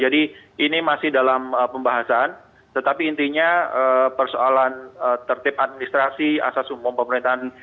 jadi ini masih dalam pembahasan tetapi intinya persoalan tertib administrasi asas hukum pemerintahan